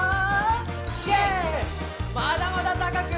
まだまだたかく！